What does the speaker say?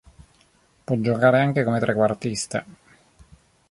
Può giocare anche come trequartista.